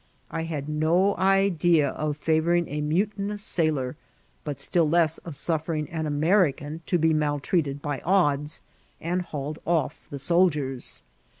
I had no idea of favouring a mutinous sail or, but still less of sufiering an. American to be mal treated by odds, and hauled off the soldiers.